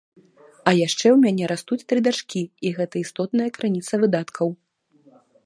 А яшчэ ў мяне растуць тры дачкі, і гэта істотная крыніца выдаткаў.